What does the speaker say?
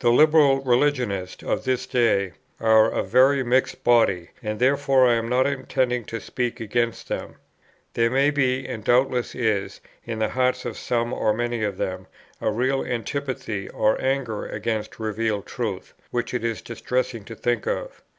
The Liberal religionists of this day are a very mixed body, and therefore I am not intending to speak against them. There may be, and doubtless is, in the hearts of some or many of them a real antipathy or anger against revealed truth, which it is distressing to think of.